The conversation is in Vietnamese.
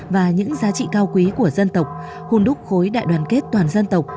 và những giá trị cao quý của dân tộc hôn đúc khối đại đoàn kết toàn dân tộc